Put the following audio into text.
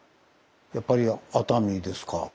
やっぱり熱海ですか。